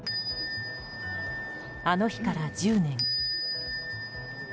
あの日から１０年。